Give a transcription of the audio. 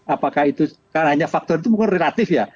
apakah itu karena hanya faktor itu mungkin relatif ya